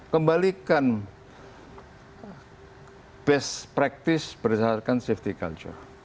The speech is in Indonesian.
kembalikan best practice berdasarkan safety culture